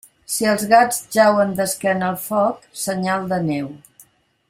Si els gats jauen d'esquena al foc, senyal de neu.